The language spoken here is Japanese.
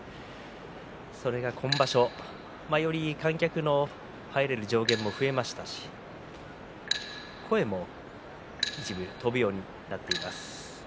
それが今場所前より観客の入れる上限も増えましたし声も一部飛ぶようになっています。